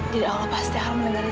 jadi allah pasti akan mendengarkan